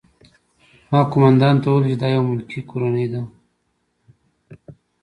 ما قومندان ته وویل چې دا یوه ملکي کورنۍ ده